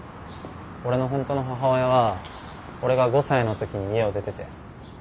俺の本当の母親は俺が５歳の時に家を出てて。